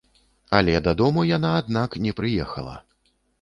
Але дадому яна, аднак, не прыехала.